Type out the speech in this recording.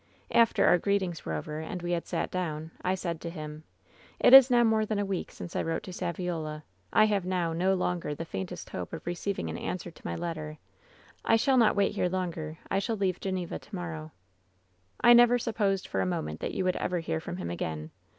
"After our greetings were over, and we had sat down, I said to him :" ^It is now more than a week since I wrote to Sav iola. I have now no longer the faintest hope of receiving an answer to my letter. I shall not wait here longer. I shall leave Gleneva to morrow.* " 'I never supposed for a moment that you would ever hear from him again.